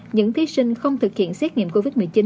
những thí sinh không thực hiện xét nghiệm covid một mươi chín